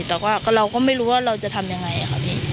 แต่ว่าเราก็ไม่รู้ว่าเราจะทำยังไงค่ะพี่